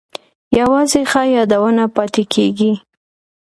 یوازې ښه یادونه پاتې کیږي